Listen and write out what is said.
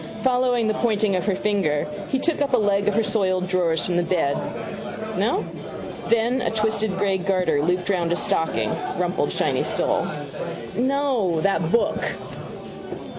Following the pointing of her finger he took up a leg of her soiled drawers from the bed. No? Then, a twisted grey garter looped round a stocking: rumpled, shiny sole. —No: that book.